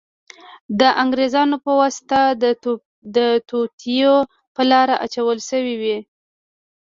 د انګریزانو په واسطه د توطیو په لار اچول شوې وې.